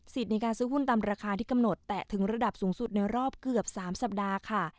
ในการซื้อหุ้นตามราคาที่กำหนดแต่ถึงระดับสูงสุดในรอบเกือบ๓สัปดาห์ค่ะ